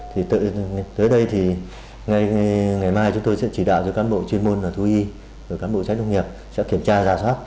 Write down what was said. thì tới đây thì ngày mai chúng tôi sẽ chỉ đạo cho cán bộ chuyên môn thu y cán bộ trách công nghiệp sẽ kiểm tra ra sát